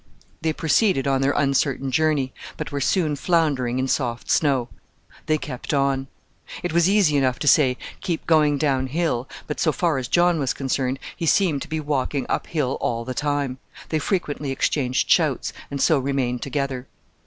They proceeded on their uncertain journey, but were soon floundering in soft snow. They kept on. It was easy enough to say "keep going down hill," but, so far as John was concerned, he seemed to be walking up hill all the time. They frequently exchanged shouts, and so remained together.